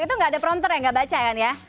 itu gak ada prompter ya gak baca ya nih ya